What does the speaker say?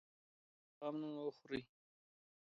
د سبا غم نن وخورئ.